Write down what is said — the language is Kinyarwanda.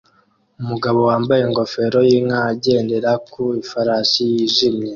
Umugabo wambaye ingofero yinka agendera ku ifarashi yijimye